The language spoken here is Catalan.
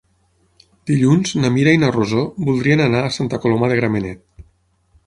Dilluns na Mira i na Rosó voldrien anar a Santa Coloma de Gramenet.